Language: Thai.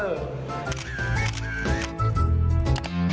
อันนี้ก็คือเบื้องหลังนะคะก็น้องพี่เอทั้งนั้นเลยค่ะกำลังแต่งตัว